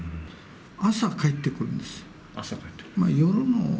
朝帰ってくるんです。